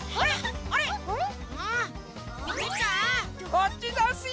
こっちざんすよ！